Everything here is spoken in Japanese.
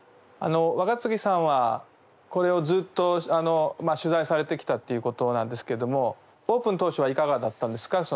若槻さんはこれをずっと取材されてきたっていうことなんですけどもオープン当初はいかがだったんですか？